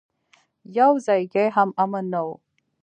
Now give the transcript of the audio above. يو ځايګى هم امن نه و.